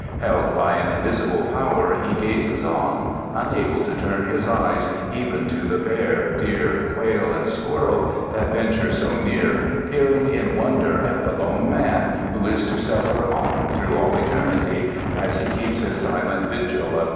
Held by an invisible power he gazes on, unable to turn his eyes even to the bear, deer, quail and squirrel, that venture so near, peering in wonder at the lone man who is to suffer on through all eternity as he keeps his silent vigil of Dah nol yo.